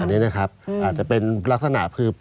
อันนี้นะครับอาจจะเป็นลักษณะคือ